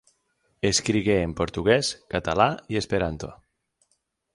Escrigué en portuguès, català i esperanto.